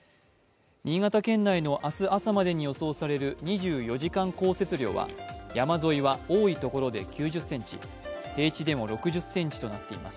新潟県内の明日朝までに予想される２４時間降雪量は山沿いは多い所で９０ｃｍ、平地でも６０ｃｍとなっています。